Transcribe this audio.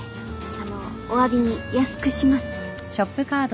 あのおわびに安くします